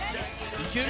いける？